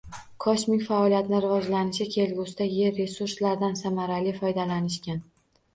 Kosmik faoliyatni rivojlanishi kelgusida yer resurslaridan samarali foydalanishgan